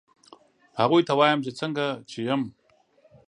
هغوی ته وایم چې څنګه چې یم